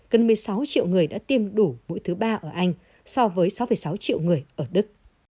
gần một mươi sáu triệu người đã tiêm đủ mũi thứ ba ở anh so với sáu sáu triệu người ở đức